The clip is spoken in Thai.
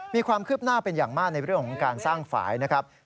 มีความคืบหน้าเป็นอย่างมากในเรื่องของการสร้างฝ่ายนะครับ